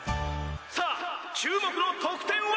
さぁ注目の得点は！？